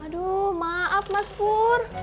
aduh maaf mas pur